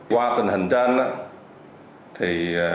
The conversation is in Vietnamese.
qua tình hình trên thì